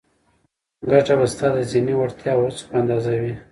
ګټه به ستا د ذهني وړتیا او هڅو په اندازه وي.